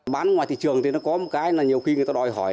bán ngoài thị trường thì nó có một cái là nhiều khi người ta đòi hỏi